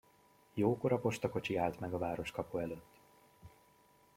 Jókora postakocsi állt meg a városkapu előtt.